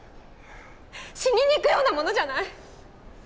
死にに行くようなものじゃない！